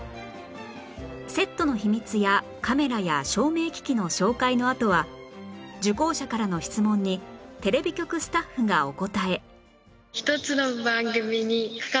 セットの秘密やカメラや照明機器の紹介のあとは受講者からの質問にテレビ局スタッフがお答え